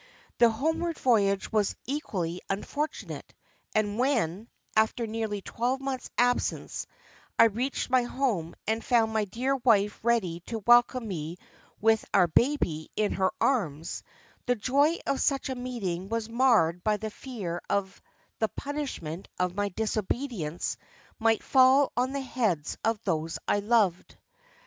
The homeward voyage was equally unfortunate, and when, after nearly twelve months' absence, I reached my home and found my dear wife ready to welcome me with our baby in her arms, the joy of such a meeting was marred by the fear that the punishment of my disobedience might fall on the heads of those I loved.